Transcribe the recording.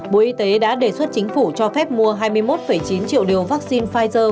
bộ y tế đã đề xuất chính phủ cho phép mua hai mươi một chín triệu liều vaccine pfizer